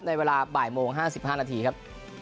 ในเวลาบ่ายโมง๕๕นาทีครับ